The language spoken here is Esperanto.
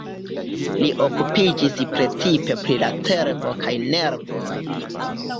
Li okupiĝis precipe pri la cerbo kaj nervoj.